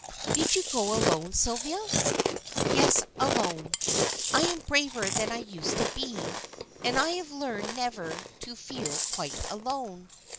"Did you go alone, Sylvia?" "Yes, alone. I am braver than I used to be, and have learned never to feel quite alone.